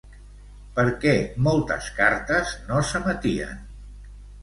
Per què moltes cartes no s'emetien?